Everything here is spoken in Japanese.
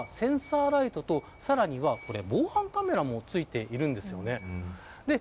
左にはセンサーライトと、さらに防犯カメラも付いているんですね。